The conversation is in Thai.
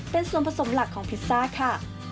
เป็นส่วนผสมหลักของพิซซ่าค่ะ